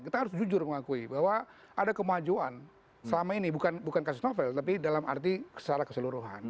kita harus jujur mengakui bahwa ada kemajuan selama ini bukan kasus novel tapi dalam arti secara keseluruhan